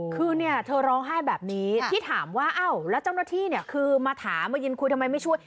คือเนี่ยเธอร้องไห้แบบนี้ที่ถามว่าอ้าวแล้วเจ้าหน้าที่เนี่ยคือมาถามมายืนคุยทำไมไม่ช่วย